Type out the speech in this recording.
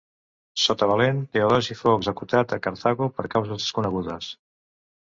Sota Valent, Teodosi fou executat a Cartago per causes desconegudes.